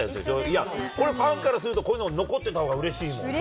いや、これ、ファンからするとこういうの残ってたほうがうれしいですよね。